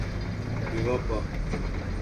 ہیوپا